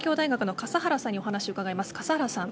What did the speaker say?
笠原さん